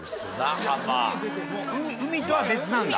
海とは別なんだ？